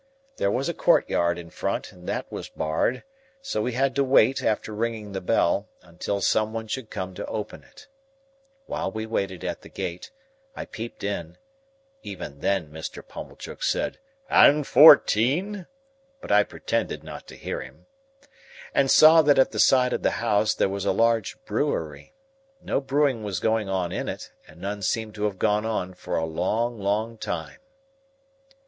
There was a courtyard in front, and that was barred; so we had to wait, after ringing the bell, until some one should come to open it. While we waited at the gate, I peeped in (even then Mr. Pumblechook said, "And fourteen?" but I pretended not to hear him), and saw that at the side of the house there was a large brewery. No brewing was going on in it, and none seemed to have gone on for a long long time.